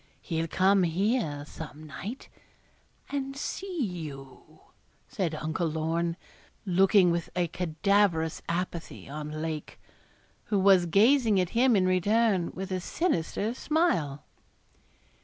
He'll come here some night and see you,' said Uncle Lorne, looking with a cadaverous apathy on Lake, who was gazing at him in return, with a sinister smile.